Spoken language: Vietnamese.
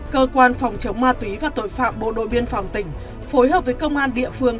cơ quan phòng chống ma túy và tội phạm bộ đội biên phòng tỉnh phối hợp với công an địa phương